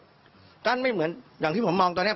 ท่านไม่เหมือนอย่างที่ผมมองตอนนี้